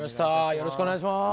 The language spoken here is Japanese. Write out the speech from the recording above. よろしくお願いします。